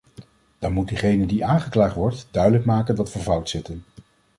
Dan moet diegene die aangeklaagd wordt duidelijk maken dat we fout zitten.